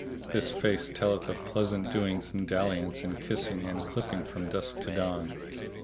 This face telleth of pleasant doings and dalliance and kissing and clipping from dusk to dawn."